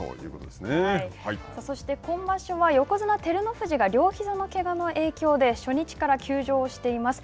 そして、今場所は横綱・照ノ富士が両ひざのけがの影響で初日から休場をしています。